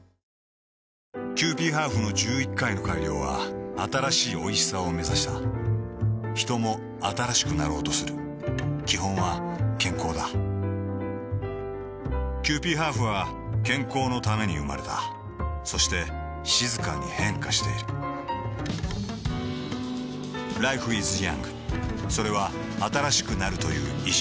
キユーピーハーフの１１回の改良は新しいおいしさをめざしたヒトも新しくなろうとする基本は健康だキユーピーハーフは健康のために生まれたそして静かに変化しているＬｉｆｅｉｓｙｏｕｎｇ．それは新しくなるという意識